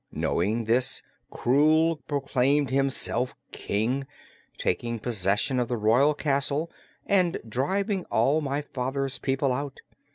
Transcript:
Knowing this, Krewl proclaimed himself King, taking possession of the royal castle and driving all my father's people out.